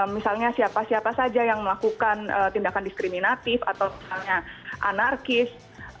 misalnya siapa siapa saja yang melakukan tindakan diskriminatif atau misalnya anarkis